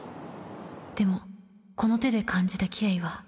でもこの手で感じたキレイは。